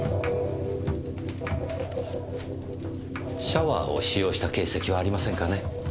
シャワーを使用した形跡はありませんかね？